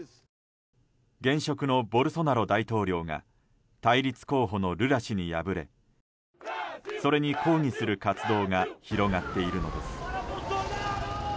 現職のボルソナロ大統領が対立候補のルラ氏に敗れそれに抗議する活動が広がっているのです。